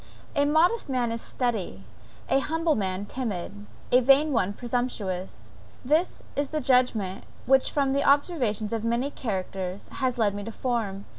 A modest man is steady, an humble man timid, and a vain one presumptuous; this is the judgment, which the observation of many characters, has led me to form.